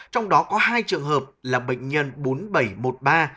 trong đó có hai trường hợp là bệnh nhân covid một mươi chín